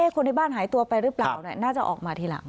คนที่บ้านหายตัวไปหรือเปล่าน่าจะออกมาทีหลัง